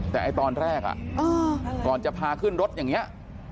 แต่ตอนแรกก่อนจะพาขึ้นรถอย่างนี้